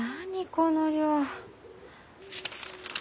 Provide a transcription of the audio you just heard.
この量。